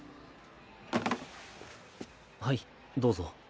はいどうぞ。